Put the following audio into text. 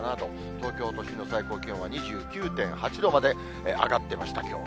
東京都心の最高気温は２９．８度まで上がってました、きょう。